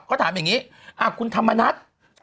เขาถามอย่างนี้คุณธรรมนัฐ